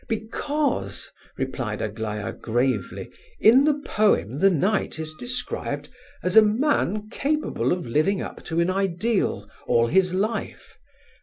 "Because," replied Aglaya gravely, "in the poem the knight is described as a man capable of living up to an ideal all his life.